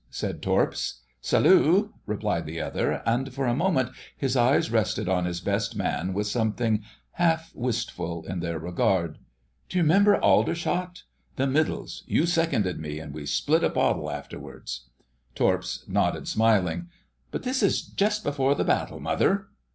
said Torps. "Salue!" replied the other, and for a moment his eyes rested on his Best Man with something half wistful in their regard. "D'you remember Aldershot...? The Middles: you seconded me, and we split a bottle afterwards...?" Torps nodded, smiling. "But this is 'Just before the battle, mother!